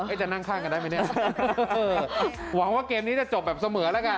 จะนั่งข้างกันได้ไหมเนี่ยเออหวังว่าเกมนี้จะจบแบบเสมอแล้วกัน